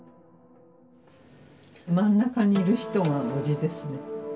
真ん中にいる人が叔父ですね。